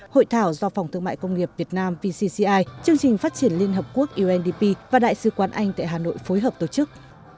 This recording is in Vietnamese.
hội thảo do phòng thương mại công nghiệp việt nam vcci chương trình phát triển liên hợp quốc undp và đại sứ quán anh tại hà nội phối hợp tổ chức